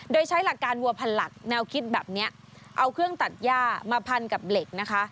โดยใช้หลักการวัวพันหลักแนวคิดแบบนี้เอาเครื่องตัดย่ามาพันกับเหล็กนะคะ